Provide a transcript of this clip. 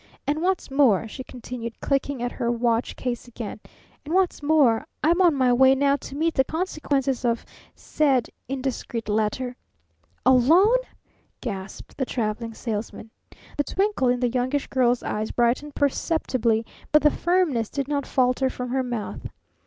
"And what's more," she continued, clicking at her watch case again "and what's more, I'm on my way now to meet the consequences of said indiscreet letter.'" "Alone?" gasped the Traveling Salesman. The twinkle in the Youngish Girl's eyes brightened perceptibly, but the firmness did not falter from her mouth.